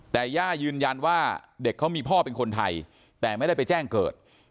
แต่ย่ายืนยันว่าเด็กเขามีพ่อเป็นคนไทยแต่ไม่ได้ไปแจ้งเกิด